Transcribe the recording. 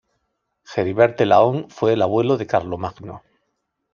Heribert de Laon, fue el abuelo de Carlomagno.